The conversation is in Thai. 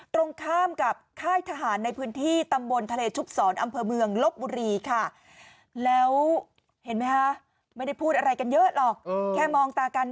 ตรงข้ามกับค่าทหารในพื้นที่ตำบลทะเลชุบสรอนอำเภอเมือง